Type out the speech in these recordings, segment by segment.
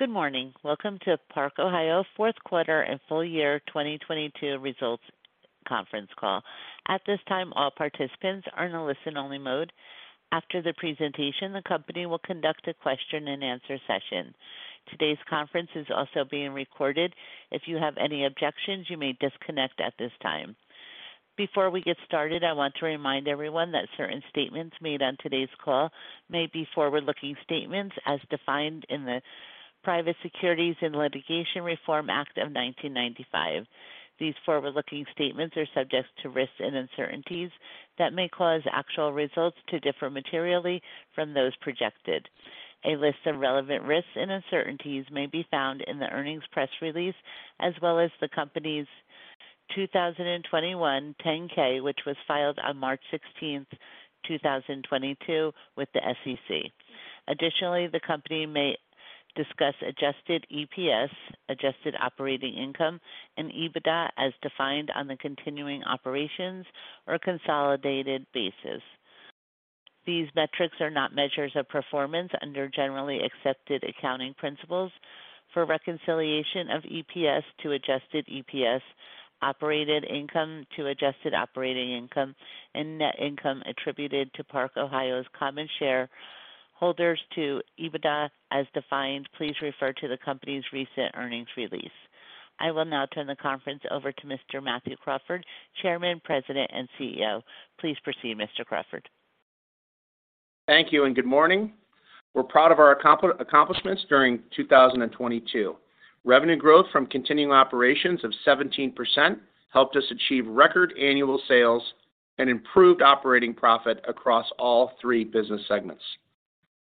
Good morning. Welcome to Park-Ohio 4th quarter and full year 2022 results conference call. At this time, all participants are in a listen-only mode. After the presentation, the company will conduct a question-and-answer session. Today's conference is also being recorded. If you have any objections, you may disconnect at this time. Before we get started, I want to remind everyone that certain statements made on today's call may be forward-looking statements as defined in the Private Securities Litigation Reform Act of 1995. These forward-looking statements are subject to risks and uncertainties that may cause actual results to differ materially from those projected. A list of relevant risks and uncertainties may be found in the earnings press release as well as the company's 2021 10-K, which was filed on March 16, 2022 with the SEC. Additionally, the company may discuss adjusted EPS, adjusted operating income, and EBITDA as defined on the continuing operations or a consolidated basis. These metrics are not measures of performance under generally accepted accounting principles. For reconciliation of EPS to adjusted EPS, operating income to adjusted operating income, and net income attributed to Park-Ohio's common share holders to EBITDA as defined, please refer to the company's recent earnings release. I will now turn the conference over to Mr. Matthew Crawford, Chairman, President, and CEO. Please proceed, Mr. Crawford. Thank you, and good morning. We're proud of our accomplishments during 2022. Revenue growth from continuing operations of 17% helped us achieve record annual sales and improved operating profit across all three business segments.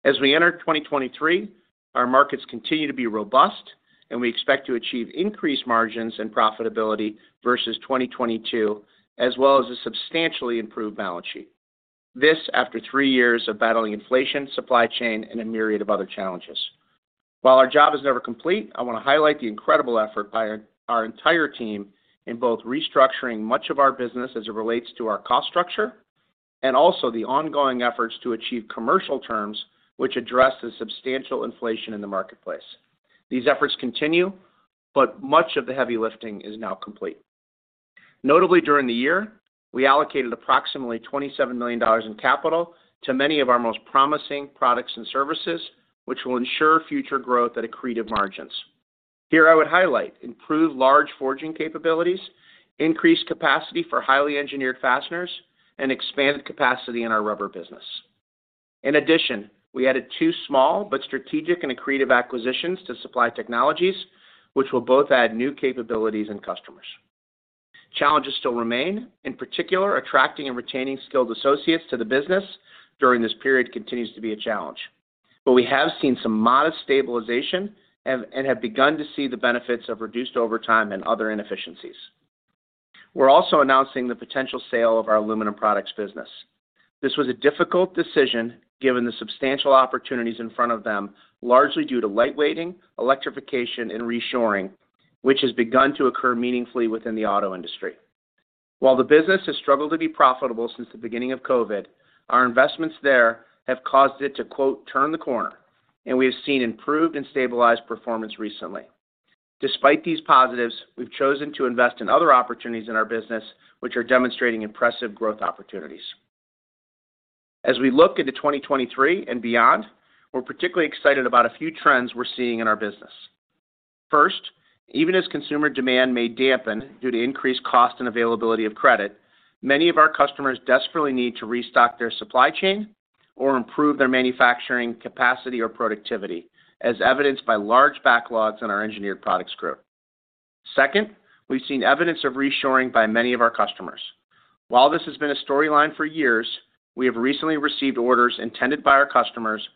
As we enter 2023, our markets continue to be robust, and we expect to achieve increased margins and profitability versus 2022, as well as a substantially improved balance sheet. This after three years of battling inflation, supply chain, and a myriad of other challenges. While our job is never complete, I wanna highlight the incredible effort by our entire team in both restructuring much of our business as it relates to our cost structure, and also the ongoing efforts to achieve commercial terms which address the substantial inflation in the marketplace. These efforts continue, much of the heavy lifting is now complete. Notably, during the year, we allocated approximately $27 million in capital to many of our most promising products and services, which will ensure future growth at accretive margins. Here I would highlight improved large forging capabilities, increased capacity for highly engineered fasteners, and expanded capacity in our rubber business. In addition, we added two small but strategic and accretive acquisitions to Supply Technologies, which will both add new capabilities and customers. Challenges still remain. In particular, attracting and retaining skilled associates to the business during this period continues to be a challenge. We have seen some modest stabilization and have begun to see the benefits of reduced overtime and other inefficiencies. We're also announcing the potential sale of our Aluminum Products business. This was a difficult decision given the substantial opportunities in front of them, largely due to lightweighting, electrification, and reshoring, which has begun to occur meaningfully within the auto industry. While the business has struggled to be profitable since the beginning of COVID, our investments there have caused it to, quote, turn the corner, and we have seen improved and stabilized performance recently. Despite these positives, we've chosen to invest in other opportunities in our business, which are demonstrating impressive growth opportunities. As we look into 2023 and beyond, we're particularly excited about a few trends we're seeing in our business. First, even as consumer demand may dampen due to increased cost and availability of credit, many of our customers desperately need to restock their supply chain or improve their manufacturing capacity or productivity, as evidenced by large backlogs in our Engineered Products group. Second, we've seen evidence of reshoring by many of our customers. While this has been a storyline for years, we have recently received orders intended by our customers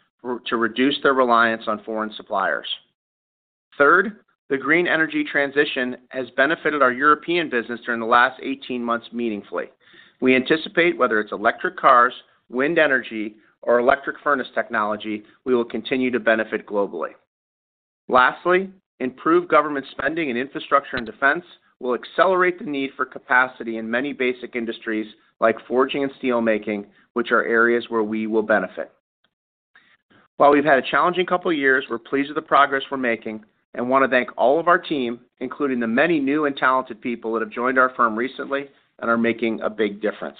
to reduce their reliance on foreign suppliers. Third, the green energy transition has benefited our European business during the last 18 months meaningfully. We anticipate, whether it's electric cars, wind energy, or electric furnace technology, we will continue to benefit globally. Lastly, improved government spending in infrastructure and defense will accelerate the need for capacity in many basic industries like forging and steel making, which are areas where we will benefit. While we've had a challenging couple of years, we're pleased with the progress we're making and wanna thank all of our team, including the many new and talented people that have joined our firm recently and are making a big difference.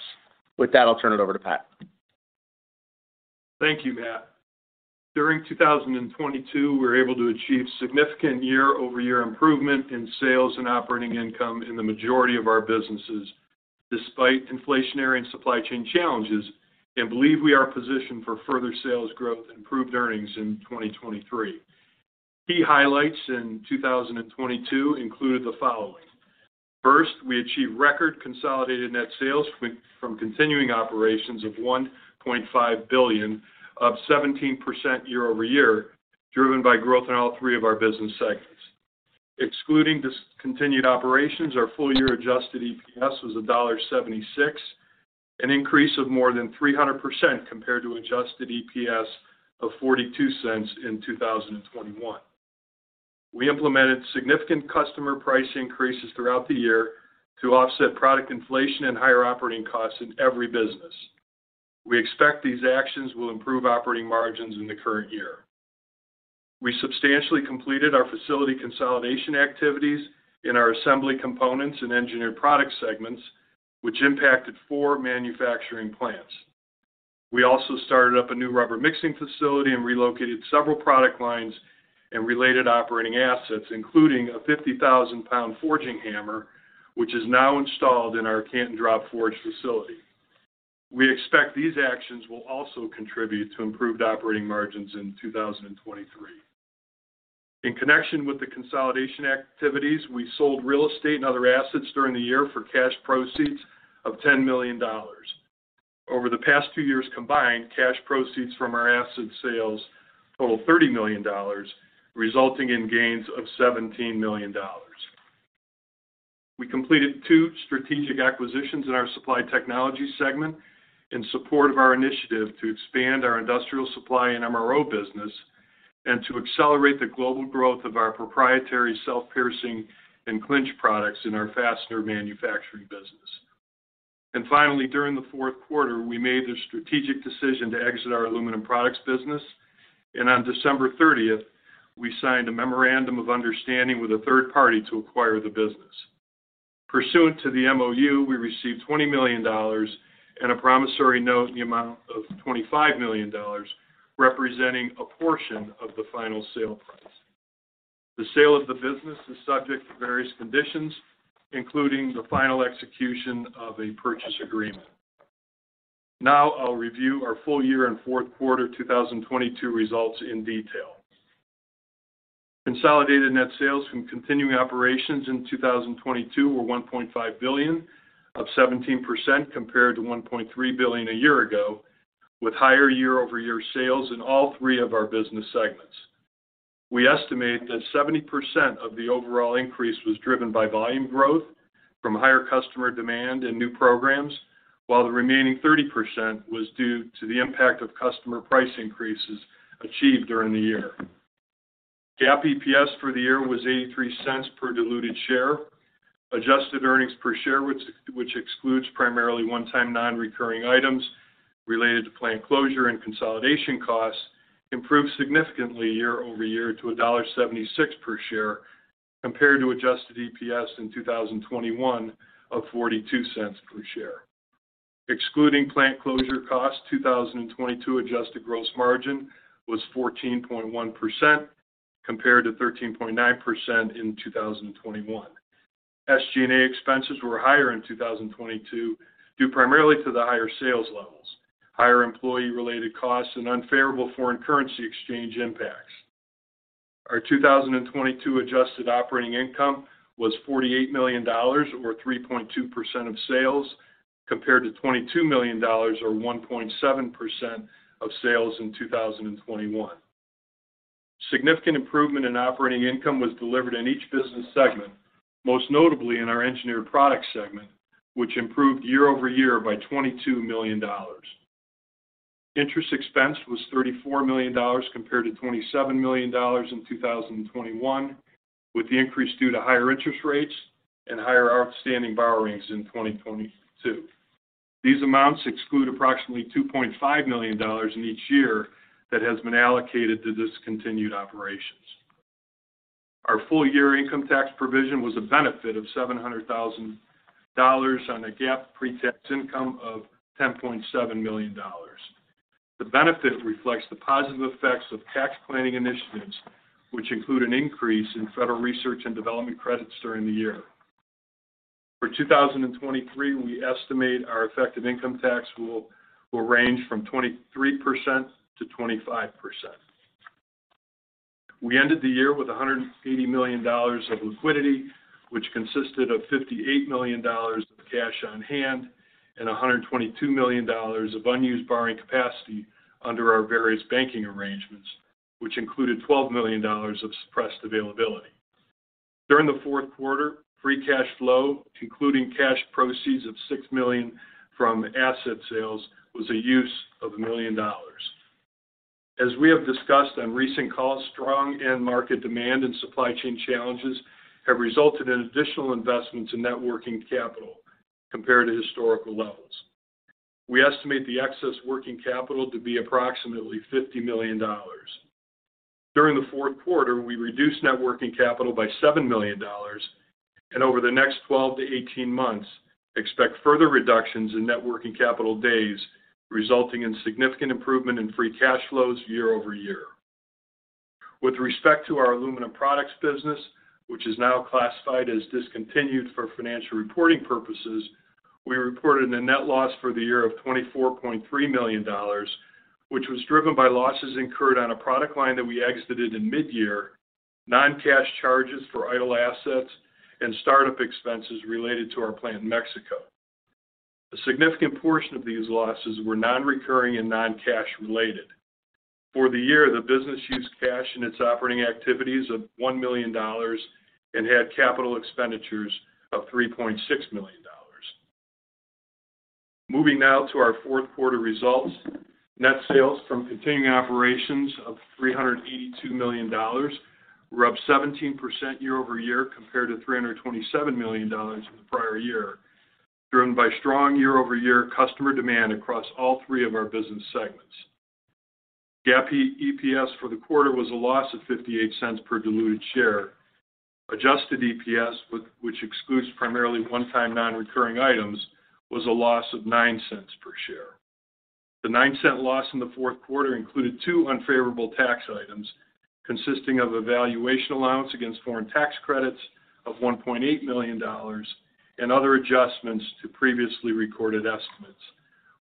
With that, I'll turn it over to Pat. Thank you, Matt. During 2022, we were able to achieve significant year-over-year improvement in sales and operating income in the majority of our businesses, despite inflationary and supply chain challenges, and believe we are positioned for further sales growth and improved earnings in 2023. Key highlights in 2022 included the following. First, we achieved record consolidated net sales from continuing operations of $1.5 billion of 17% year-over-year, driven by growth in all three of our business segments. Excluding discontinued operations, our full year adjusted EPS was $1.76, an increase of more than 300% compared to adjusted EPS of $0.42 in 2021. We implemented significant customer price increases throughout the year to offset product inflation and higher operating costs in every business. We expect these actions will improve operating margins in the current year. We substantially completed our facility consolidation activities in our Assembly Components and Engineered Products segments, which impacted four manufacturing plants. We also started up a new rubber mixing facility and relocated several product lines and related operating assets, including a 50,000 pound forging hammer, which is now installed in our Canton Drop Forge facility. We expect these actions will also contribute to improved operating margins in 2023. In connection with the consolidation activities, we sold real estate and other assets during the year for cash proceeds of $10 million. Over the past two years combined, cash proceeds from our asset sales total $30 million, resulting in gains of $17 million. We completed two strategic acquisitions in our Supply Technologies segment in support of our initiative to expand our industrial supply and MRO business, and to accelerate the global growth of our proprietary self-piercing and clinch products in our fastener manufacturing business. During the fourth quarter, we made the strategic decision to exit our Aluminum Products business. On December 30th, we signed a memorandum of understanding with a third party to acquire the business. Pursuant to the MOU, we received $20 million and a promissory note in the amount of $25 million, representing a portion of the final sale price. The sale of the business is subject to various conditions, including the final execution of a purchase agreement. I'll review our full year and fourth quarter 2022 results in detail. Consolidated net sales from continuing operations in 2022 were $1.5 billion, up 17% compared to $1.3 billion a year ago, with higher year-over-year sales in all 3 of our business segments. We estimate that 70% of the overall increase was driven by volume growth from higher customer demand and new programs, while the remaining 30% was due to the impact of customer price increases achieved during the year. GAAP EPS for the year was $0.83 per diluted share. Adjusted earnings per share, which excludes primarily one-time non-recurring items related to plant closure and consolidation costs, improved significantly year-over-year to $1.76 per share, compared to adjusted EPS in 2021 of $0.42 per share. Excluding plant closure costs, 2022 adjusted gross margin was 14.1% compared to 13.9% in 2021. SG&A expenses were higher in 2022, due primarily to the higher sales levels, higher employee-related costs, and unfavorable foreign currency exchange impacts. Our 2022 adjusted operating income was $48 million or 3.2% of sales, compared to $22 million or 1.7% of sales in 2021. Significant improvement in operating income was delivered in each business segment, most notably in our Engineered Products segment, which improved year-over-year by $22 million. Interest expense was $34 million compared to $27 million in 2021, with the increase due to higher interest rates and higher outstanding borrowings in 2022. These amounts exclude approximately $2.5 million in each year that has been allocated to discontinued operations. Our full year income tax provision was a benefit of $700,000 on a GAAP pre-tax income of $10.7 million. The benefit reflects the positive effects of tax planning initiatives, which include an increase in federal research and development credits during the year. For 2023, we estimate our effective income tax will range from 23%-25%. We ended the year with $180 million of liquidity, which consisted of $58 million of cash on hand and $122 million of unused borrowing capacity under our various banking arrangements, which included $12 million of suppressed availability. During the fourth quarter, free cash flow, including cash proceeds of $6 million from asset sales, was a use of $1 million. As we have discussed on recent calls, strong end market demand and supply chain challenges have resulted in additional investments in net working capital compared to historical levels. We estimate the excess working capital to be approximately $50 million. During the fourth quarter, we reduced net working capital by $7 million, and over the next 12 to 18 months, expect further reductions in net working capital days, resulting in significant improvement in free cash flows year-over-year. With respect to our Aluminum Products business, which is now classified as discontinued for financial reporting purposes, we reported a net loss for the year of $24.3 million, which was driven by losses incurred on a product line that we exited in mid-year, non-cash charges for idle assets, and start-up expenses related to our plant in Mexico. A significant portion of these losses were non-recurring and non-cash related. For the year, the business used cash in its operating activities of $1 million and had capital expenditures of $3.6 million. Moving now to our fourth quarter results. Net sales from continuing operations of $382 million were up 17% year-over-year compared to $327 million in the prior year, driven by strong year-over-year customer demand across all three of our business segments. GAAP EPS for the quarter was a loss of $0.58 per diluted share. Adjusted EPS, which excludes primarily one-time non-recurring items, was a loss of $0.09 per share. The $0.09 loss in the fourth quarter included two unfavorable tax items, consisting of a valuation allowance against foreign tax credits of $1.8 million and other adjustments to previously recorded estimates,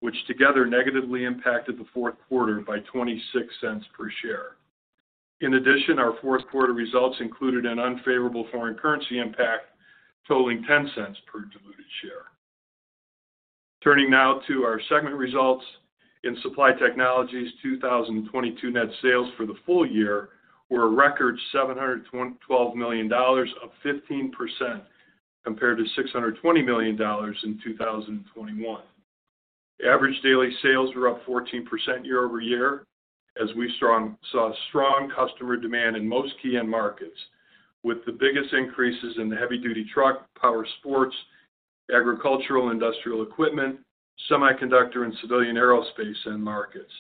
which together negatively impacted the fourth quarter by $0.26 per share. In addition, our fourth quarter results included an unfavorable foreign currency impact totaling $0.10 per diluted share. Turning now to our segment results. In Supply Technologies, 2022 net sales for the full year were a record $712 million, up 15% compared to $620 million in 2021. Average daily sales were up 14% year-over-year as we saw strong customer demand in most key end markets, with the biggest increases in the heavy-duty truck, power sports, agricultural and industrial equipment, semiconductor and civilian aerospace end markets.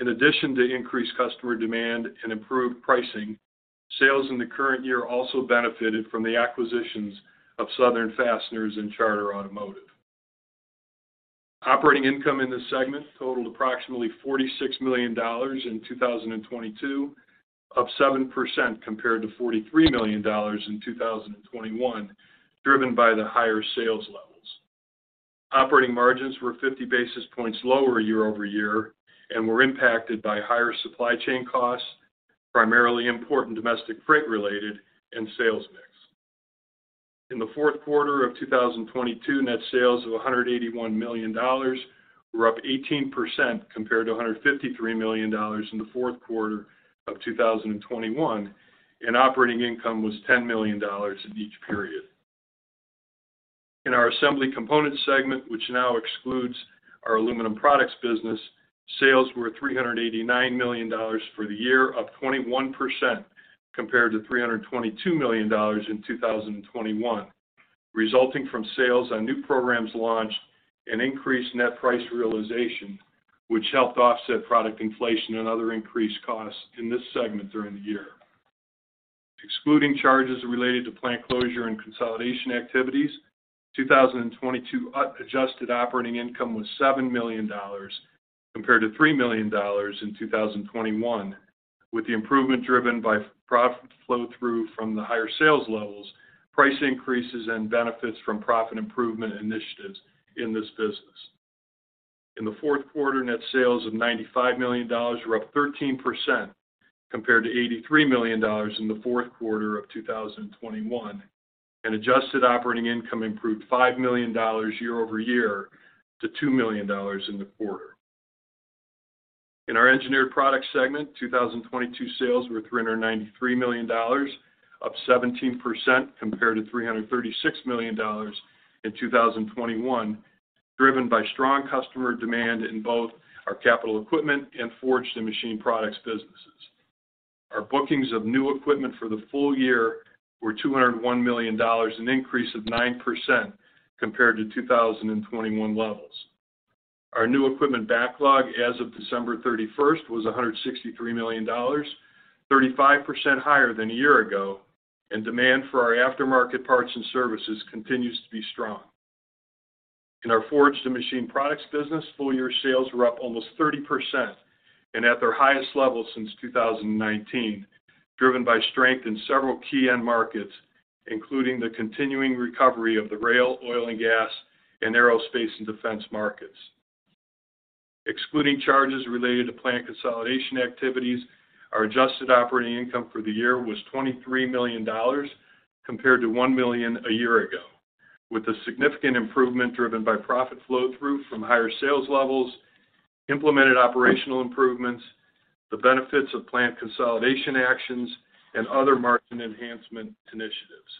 In addition to increased customer demand and improved pricing, sales in the current year also benefited from the acquisitions of Southern Fasteners and Charter Automotive. Operating income in this segment totaled approximately $46 million in 2022, up 7% compared to $43 million in 2021, driven by the higher sales levels. Operating margins were 50 basis points lower year-over-year and were impacted by higher supply chain costs, primarily import and domestic freight-related and sales mix. In the fourth quarter of 2022, net sales of $181 million were up 18% compared to $153 million in the fourth quarter of 2021, and operating income was $10 million in each period. In our Assembly Components segment, which now excludes our Aluminum Products business, sales were $389 million for the year, up 21% compared to $322 million in 2021, resulting from sales on new programs launched and increased net price realization, which helped offset product inflation and other increased costs in this segment during the year. Excluding charges related to plant closure and consolidation activities, 2022 adjusted operating income was $7 million compared to $3 million in 2021, with the improvement driven by profit flow-through from the higher sales levels, price increases, and benefits from profit improvement initiatives in this business. In the fourth quarter, net sales of $95 million were up 13% compared to $83 million in the fourth quarter of 2021, adjusted operating income improved $5 million year-over-year to $2 million in the quarter. In our Engineered Products segment, 2022 sales were $393 million, up 17% compared to $336 million in 2021, driven by strong customer demand in both our capital equipment and forged and machine products businesses. Our bookings of new equipment for the full year were $201 million, an increase of 9% compared to 2021 levels. Our new equipment backlog as of December 31st was $163 million, 35% higher than a year ago. Demand for our aftermarket parts and services continues to be strong. In our forged and machine products business, full year sales were up almost 30% and at their highest level since 2019, driven by strength in several key end markets, including the continuing recovery of the rail, oil and gas, and aerospace and defense markets. Excluding charges related to plant consolidation activities, our adjusted operating income for the year was $23 million compared to $1 million a year ago, with a significant improvement driven by profit flow-through from higher sales levels, implemented operational improvements, the benefits of plant consolidation actions, and other margin enhancement initiatives.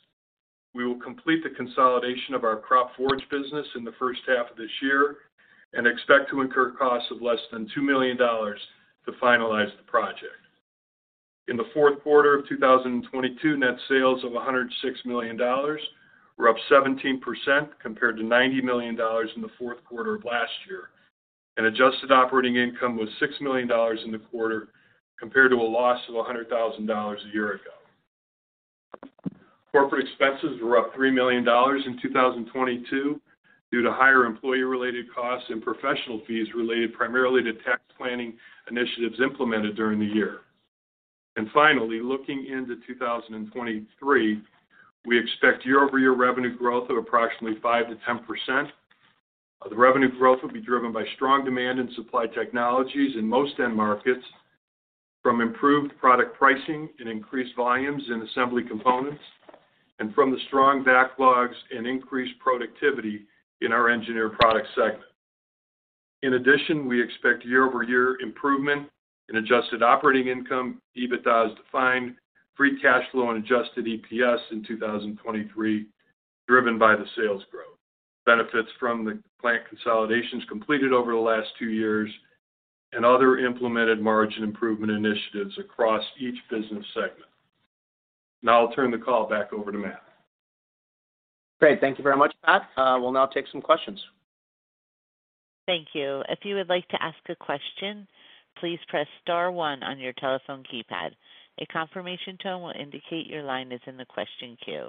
We will complete the consolidation of our Kropp Forge business in the first half of this year and expect to incur costs of less than $2 million to finalize the project. In the fourth quarter of 2022, net sales of $106 million were up 17% compared to $90 million in the fourth quarter of last year. Adjusted operating income was $6 million in the quarter compared to a loss of $100,000 a year ago. Corporate expenses were up $3 million in 2022 due to higher employee-related costs and professional fees related primarily to tax planning initiatives implemented during the year. Finally, looking into 2023, we expect year-over-year revenue growth of approximately 5%-10%. The revenue growth will be driven by strong demand in Supply Technologies in most end markets from improved product pricing and increased volumes in Assembly Components and from the strong backlogs and increased productivity in our Engineered Products segment. In addition, we expect year-over-year improvement in adjusted operating income, EBITDA as defined, free cash flow and adjusted EPS in 2023. Driven by the sales growth. Benefits from the plant consolidations completed over the last two years and other implemented margin improvement initiatives across each business segment. Now I'll turn the call back over to Matt. Great. Thank you very much, Pat. We'll now take some questions. Thank you. If you would like to ask a question, please press star one on your telephone keypad. A confirmation tone will indicate your line is in the question queue.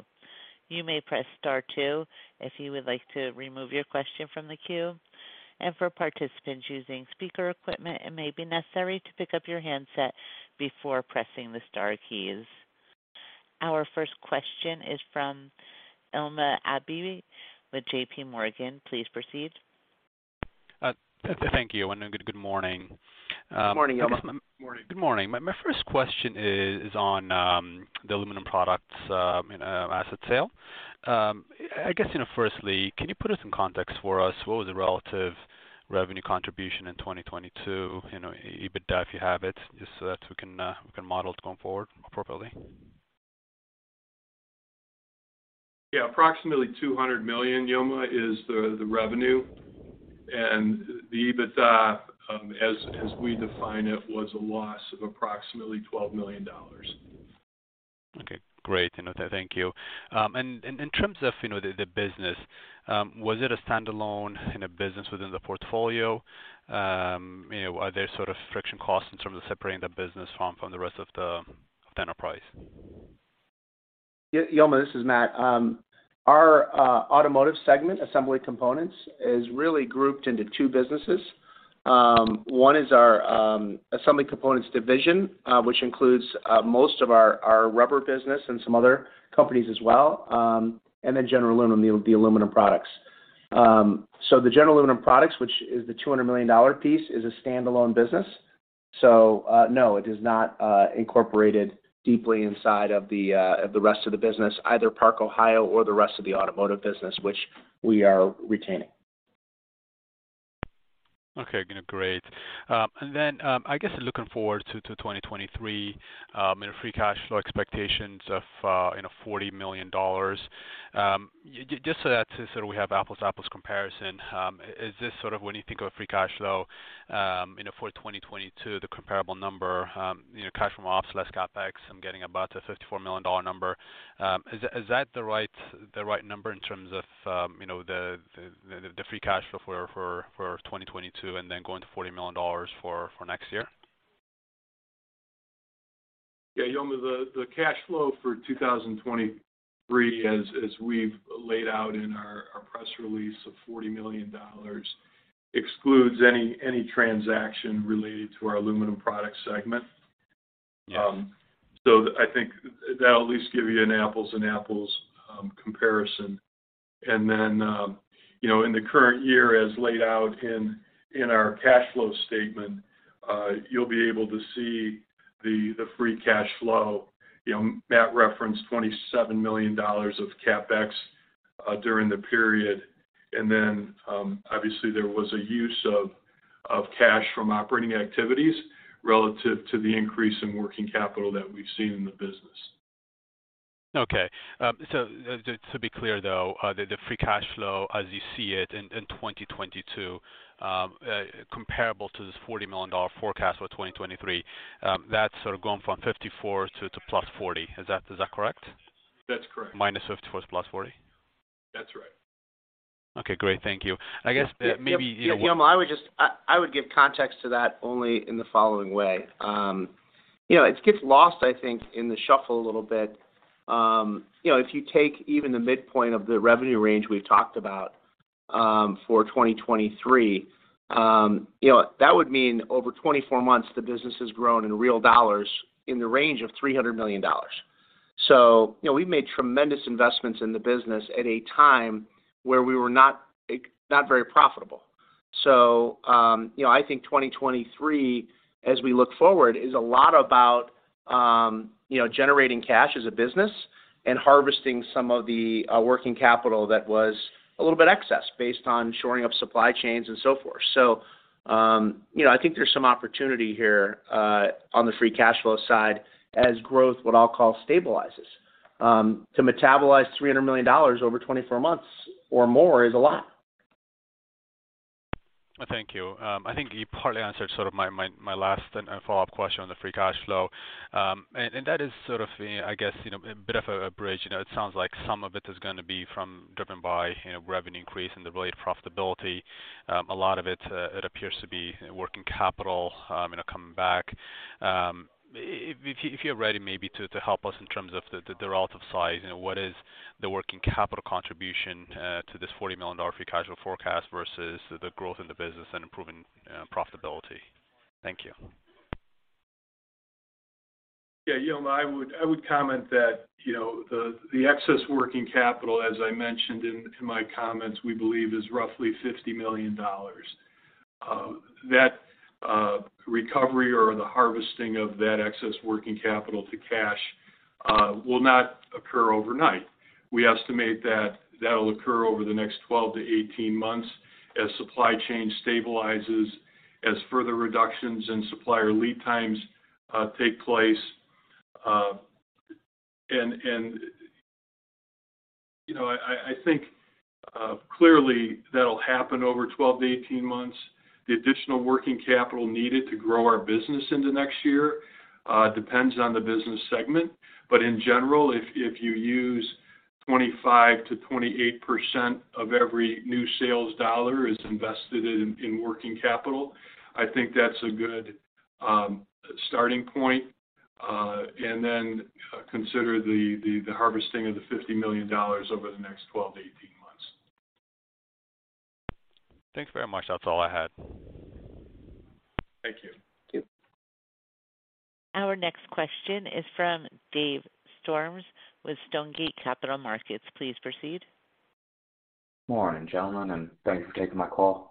You may press star two if you would like to remove your question from the queue. For participants using speaker equipment, it may be necessary to pick up your handset before pressing the star keys. Our first question is from Yilma Abebe with JPMorgan. Please proceed. thank you, good morning. Good morning, Yilma. Good morning. My first question is on the Aluminum Products asset sale. I guess, you know, firstly, can you put it in context for us, what was the relative revenue contribution in 2022, you know, EBITDA if you have it, just so that we can model it going forward appropriately? Yeah. Approximately $200 million, Yilma, is the revenue. The EBITDA, as we define it, was a loss of approximately $12 million. Okay. Great. You know, thank you. In terms of, you know, the business, was it a standalone in a business within the portfolio? You know, are there sort of friction costs in terms of separating the business from the rest of the enterprise? Yilma, this is Matt. Our automotive segment, Assembly Components, is really grouped into two businesses. One is our Assembly Components division, which includes most of our rubber business and some other companies as well, and then General Aluminum, the Aluminum Products. The General Aluminum Products, which is the $200 million piece, is a standalone business. No, it is not incorporated deeply inside of the rest of the business, either Park-Ohio or the rest of the automotive business, which we are retaining. Okay. You know, great. I guess looking forward to 2023, a free cash flow expectations of, you know, $40 million, just so that we have apples comparison, is this sort of when you think of free cash flow, you know, for 2022, the comparable number, you know, cash from ops, less CapEx, I'm getting about a $54 million number. Is that the right number in terms of, you know, the free cash flow for 2022 going to $40 million for next year? Yeah, Yilma, the cash flow for 2023, as we've laid out in our press release of $40 million excludes any transaction related to our Aluminum Products segment. Yeah. I think that'll at least give you an apples and apples comparison. You know, in the current year, as laid out in our cash flow statement, you'll be able to see the free cash flow. You know, Matt referenced $27 million of CapEx during the period. Obviously, there was a use of cash from operating activities relative to the increase in working capital that we've seen in the business. Okay. Just to be clear, though, the free cash flow as you see it in 2022, comparable to this $40 million forecast for 2023, that's sort of going from 54 to +40. Is that correct? That's correct. Minus fifty-four to plus forty? That's right. Okay, great. Thank you. I guess. Yilma, I would give context to that only in the following way. You know, it gets lost, I think, in the shuffle a little bit. You know, if you take even the midpoint of the revenue range we've talked about, for 2023, you know, that would mean over 24 months, the business has grown in real dollars in the range of $300 million. You know, we've made tremendous investments in the business at a time where we were not very profitable. You know, I think 2023, as we look forward, is a lot about, you know, generating cash as a business and harvesting some of the working capital that was a little bit excess based on shoring up supply chains and so forth. you know, I think there's some opportunity here on the free cash flow side as growth, what I'll call, stabilizes. To metabolize $300 million over 24 months or more is a lot. Thank you. I think you partly answered sort of my last and follow-up question on the free cash flow. That is sort of, I guess, you know, a bit of a bridge. You know, it sounds like some of it is gonna be driven by, you know, revenue increase and the related profitability. A lot of it appears to be working capital, you know, coming back. If you're ready maybe to help us in terms of the relative size, you know, what is the working capital contribution to this $40 million free cash flow forecast versus the growth in the business and improving profitability? Thank you. Yeah, Yilma, I would comment that, you know, the excess working capital, as I mentioned in my comments, we believe is roughly $50 million. That recovery or the harvesting of that excess working capital to cash will not occur overnight. We estimate that that'll occur over the next 12 to 18 months as supply chain stabilizes, as further reductions in supplier lead times take place. You know, I think clearly that'll happen over 12 to 18 months. The additional working capital needed to grow our business into next year depends on the business segment. In general, if you use 25%-28% of every new sales dollar is invested in working capital, I think that's a good starting point. Consider the harvesting of the $50 million over the next 12 to 18 months. Thanks very much. That's all I had. Thank you. Thank you. Our next question is from Dave Storms with Stonegate Capital Markets. Please proceed. Morning, gentlemen. Thank you for taking my call.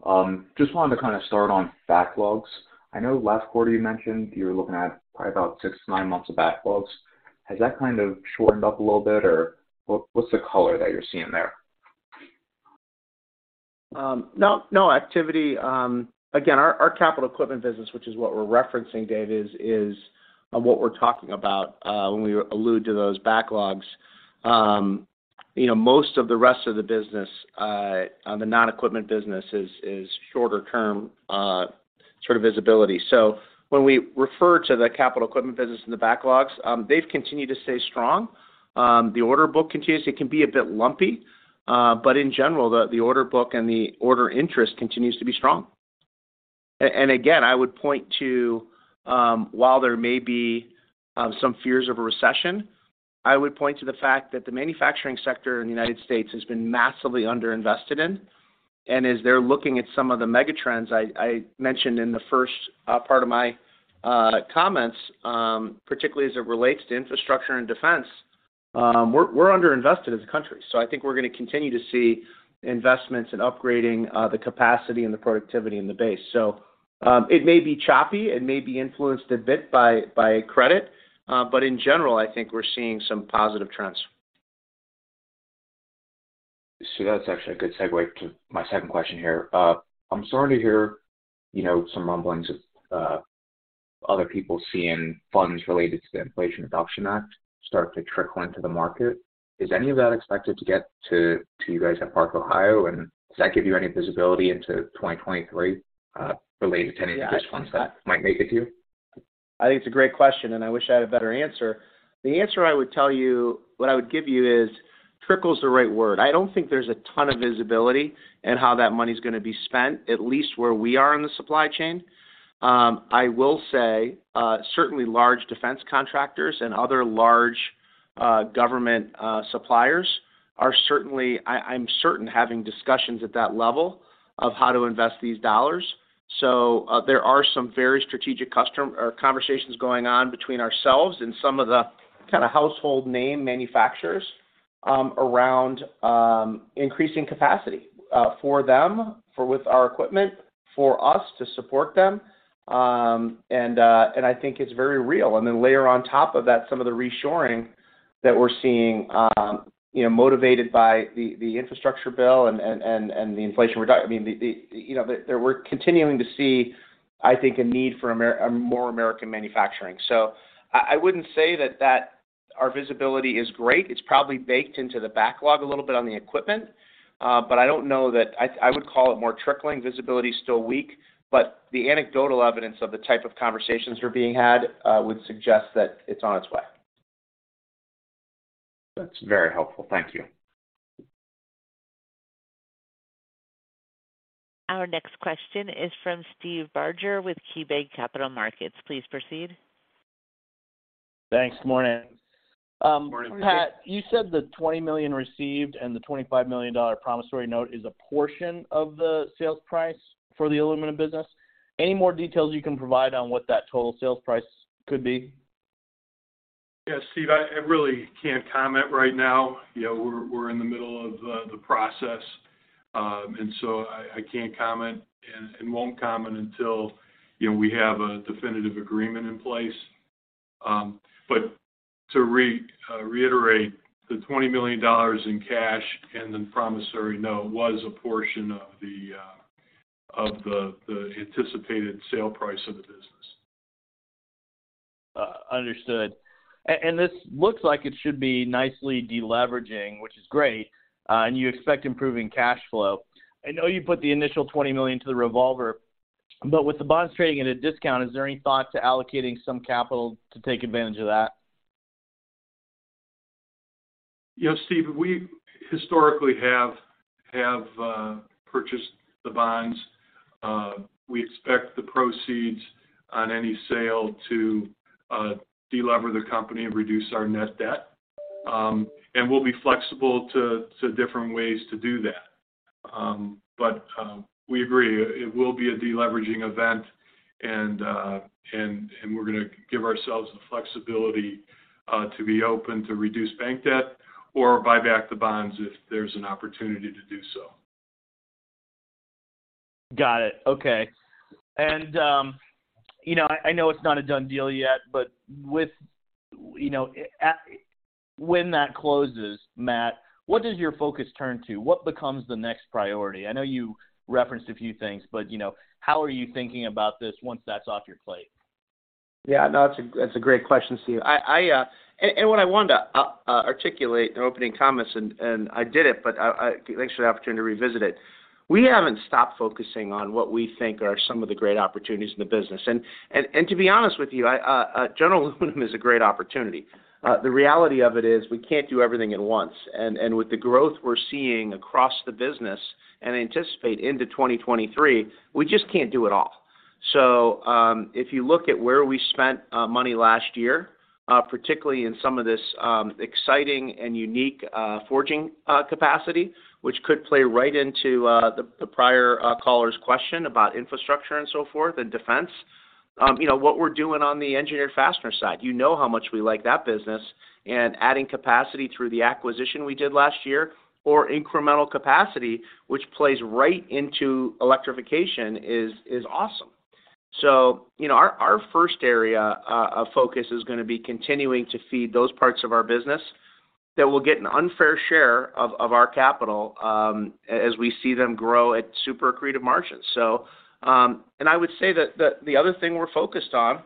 Just wanted to kind of start on backlogs. I know last quarter you mentioned you were looking at probably about six to nine months of backlogs. Has that kind of shortened up a little bit, or what's the color that you're seeing there? No, no activity. Again, our capital equipment business, which is what we're referencing, Dave, is what we're talking about when we allude to those backlogs. You know, most of the rest of the business, the non-equipment business is shorter term, sort of visibility. When we refer to the capital equipment business and the backlogs, they've continued to stay strong. The order book continues. It can be a bit lumpy, but in general, the order book and the order interest continues to be strong. Again, I would point to, while there may be some fears of a recession, I would point to the fact that the manufacturing sector in the United States has been massively underinvested in. As they're looking at some of the mega trends I mentioned in the first part of my comments, particularly as it relates to infrastructure and defense, we're underinvested as a country. I think we're gonna continue to see investments in upgrading the capacity and the productivity in the base. It may be choppy, it may be influenced a bit by credit, but in general, I think we're seeing some positive trends. That's actually a good segue to my second question here. I'm starting to hear, you know, some rumblings of other people seeing funds related to the Inflation Reduction Act start to trickle into the market. Is any of that expected to get to you guys at Park-Ohio, and does that give you any visibility into 2023 related to any of those funds that might make it to you? I think it's a great question, and I wish I had a better answer. The answer I would tell you, what I would give you is trickle's the right word. I don't think there's a ton of visibility in how that money's gonna be spent, at least where we are in the supply chain. I will say, certainly large defense contractors and other large government suppliers are certainly I'm certain having discussions at that level of how to invest these dollars. There are some very strategic conversations going on between ourselves and some of the kind of household name manufacturers, around increasing capacity for them, for with our equipment, for us to support them. I think it's very real. Layer on top of that, some of the reshoring that we're seeing, you know, motivated by the infrastructure bill and the Inflation Reduction Act. I mean, you know, we're continuing to see, I think, a need for a more American manufacturing. I wouldn't say that our visibility is great. It's probably baked into the backlog a little bit on the equipment, but I don't know that I would call it more trickling. Visibility's still weak, the anecdotal evidence of the type of conversations that are being had, would suggest that it's on its way. That's very helpful. Thank you. Our next question is from Steve Barger with KeyBanc Capital Markets. Please proceed. Thanks. Morning. Morning. Pat, you said the $20 million received and the $25 million promissory note is a portion of the sales price for the Aluminum business. Any more details you can provide on what that total sales price could be? Yeah, Steve, I really can't comment right now. You know, we're in the middle of the process, I can't comment and won't comment until, you know, we have a definitive agreement in place. To reiterate, the $20 million in cash and the promissory note was a portion of the anticipated sale price of the business. Understood. This looks like it should be nicely de-leveraging, which is great, and you expect improving cash flow. I know you put the initial $20 million to the revolver, but with the bonds trading at a discount, is there any thought to allocating some capital to take advantage of that? You know, Steve, we historically have purchased the bonds. We expect the proceeds on any sale to delever the company and reduce our net debt. We'll be flexible to different ways to do that. We agree it will be a deleveraging event and we're gonna give ourselves the flexibility to be open to reduce bank debt or buy back the bonds if there's an opportunity to do so. Got it. Okay. You know, I know it's not a done deal yet, but with, you know, When that closes, Matt, what does your focus turn to? What becomes the next priority? I know you referenced a few things, but, you know, how are you thinking about this once that's off your plate? Yeah, no, it's a great question, Steve. What I wanted to articulate in opening comments, and I did it, but Thanks for the opportunity to revisit it. We haven't stopped focusing on what we think are some of the great opportunities in the business. To be honest with you, General Aluminum is a great opportunity. The reality of it is we can't do everything at once. With the growth we're seeing across the business and anticipate into 2023, we just can't do it all. If you look at where we spent money last year, particularly in some of this exciting and unique forging capacity, which could play right into the prior caller's question about infrastructure and so forth and defense. you know, what we're doing on the engineered fastener side. You know how much we like that business and adding capacity through the acquisition we did last year, or incremental capacity, which plays right into electrification, is awesome. you know, our first area of focus is gonna be continuing to feed those parts of our business that will get an unfair share of our capital as we see them grow at super accretive margins, so. I would say that the other thing we're focused on,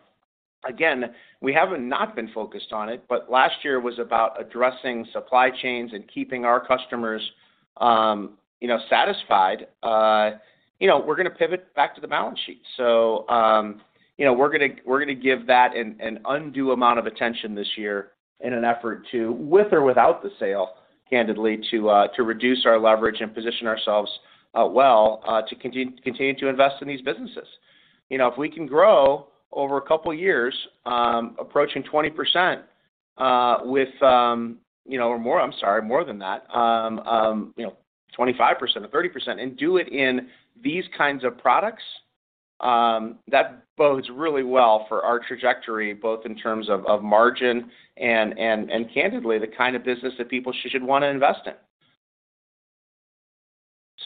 again, we haven't not been focused on it, but last year was about addressing supply chains and keeping our customers, you know, satisfied. you know, we're gonna pivot back to the balance sheet. You know, we're gonna give that an undue amount of attention this year in an effort to, with or without the sale, candidly, to reduce our leverage and position ourselves well to continue to invest in these businesses. You know, if we can grow over a couple of years, approaching 20%, with, you know, or more, I'm sorry, more than that, you know, 25% or 30%, and do it in these kinds of products, that bodes really well for our trajectory, both in terms of margin and candidly, the kind of business that people should want to invest in.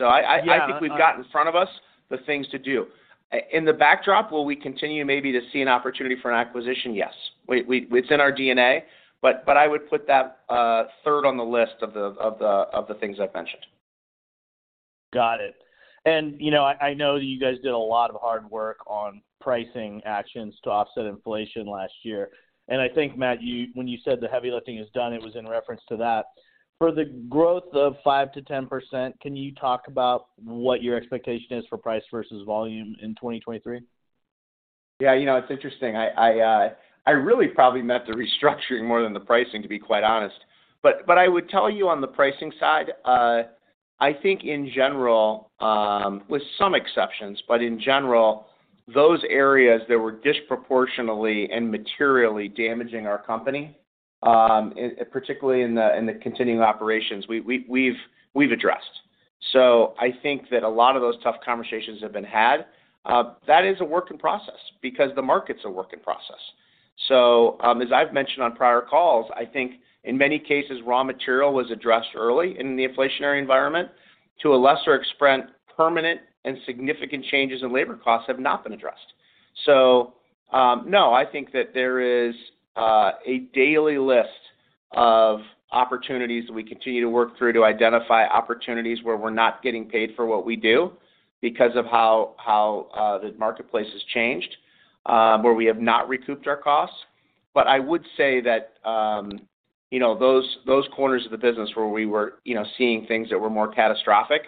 I think we've got in front of us the things to do. In the backdrop, will we continue maybe to see an opportunity for an acquisition? Yes. It's in our DNA, but I would put that, third on the list of the things I've mentioned. Got it. you know, I know that you guys did a lot of hard work on pricing actions to offset inflation last year. I think, Matt, when you said the heavy lifting is done, it was in reference to that. For the growth of 5%-10%, can you talk about what your expectation is for price versus volume in 2023? Yeah. You know, it's interesting. I really probably meant the restructuring more than the pricing, to be quite honest. I would tell you on the pricing side, I think in general, with some exceptions, but in general, those areas that were disproportionately and materially damaging our company, particularly in the continuing operations, we've addressed. I think that a lot of those tough conversations have been had. That is a work in process because the market's a work in process. As I've mentioned on prior calls, I think in many cases, raw material was addressed early in the inflationary environment. To a lesser extent, permanent and significant changes in labor costs have not been addressed. No, I think that there is a daily list of opportunities that we continue to work through to identify opportunities where we're not getting paid for what we do because of how the marketplace has changed, where we have not recouped our costs. I would say that, you know, those corners of the business where we were, you know, seeing things that were more catastrophic,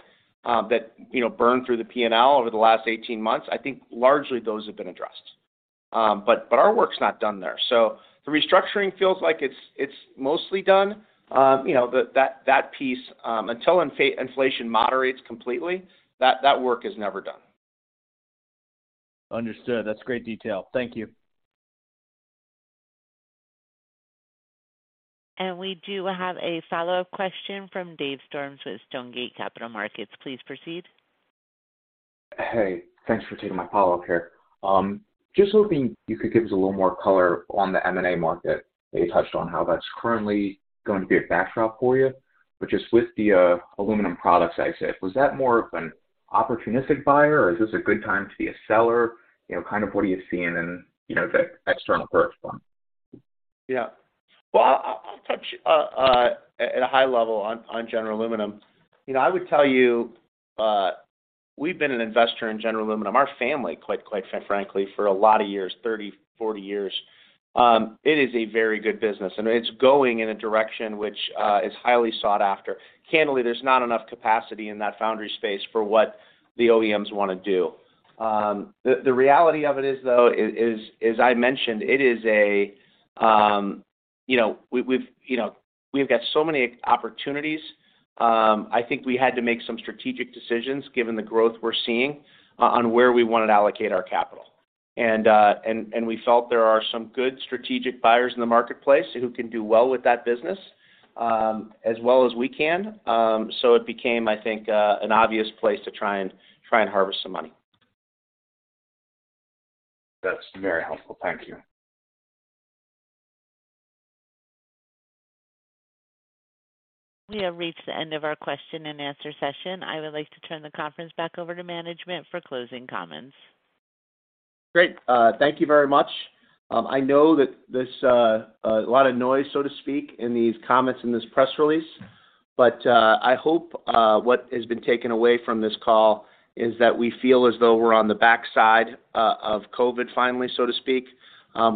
that, you know, burned through the P&L over the last 18 months, I think largely those have been addressed. Our work's not done there. The restructuring feels like it's mostly done. You know, that piece, until inflation moderates completely, that work is never done. Understood. That's great detail. Thank you. We do have a follow-up question from Dave Storms with Stonegate Capital Markets. Please proceed. Hey, thanks for taking my follow-up here. Just hoping you could give us a little more color on the M&A market. You touched on how that's currently going to be a backdrop for you. Just with the Aluminum Products exit, was that more of an opportunistic buyer, or is this a good time to be a seller? You know, kind of what are you seeing in, you know, the external growth front? Yeah. Well, I'll touch at a high level on General Aluminum. You know, I would tell you, we've been an investor in General Aluminum, our family, quite frankly, for a lot of years, 30, 40 years. It is a very good business, and it's going in a direction which is highly sought after. Candidly, there's not enough capacity in that foundry space for what the OEMs wanna do. The reality of it is, though, as I mentioned, it is, you know, we've, you know, we've got so many opportunities. I think we had to make some strategic decisions given the growth we're seeing on where we wanna allocate our capital. We felt there are some good strategic buyers in the marketplace who can do well with that business, as well as we can. It became, I think, an obvious place to try and harvest some money. That's very helpful. Thank you. We have reached the end of our question and answer session. I would like to turn the conference back over to management for closing comments. Great. Thank you very much. I know that there's a lot of noise, so to speak, in these comments in this press release, I hope what has been taken away from this call is that we feel as though we're on the backside of COVID finally, so to speak.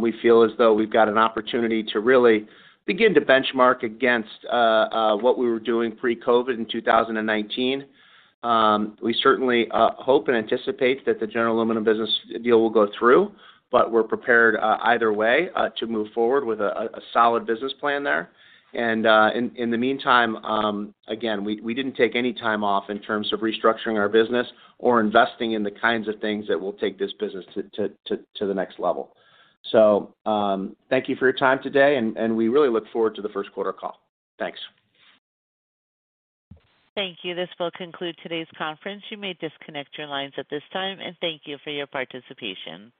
We feel as though we've got an opportunity to really begin to benchmark against what we were doing pre-COVID in 2019. We certainly hope and anticipate that the General Aluminum business deal will go through, we're prepared either way to move forward with a solid business plan there. In the meantime, again, we didn't take any time off in terms of restructuring our business or investing in the kinds of things that will take this business to the next level. Thank you for your time today, and we really look forward to the first quarter call. Thanks. Thank you. This will conclude today's conference. You may disconnect your lines at this time. Thank you for your participation.